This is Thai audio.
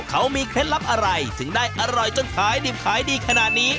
เขามีเคล็ดลับอะไรถึงได้อร่อยจนขายดิบขายดีขนาดนี้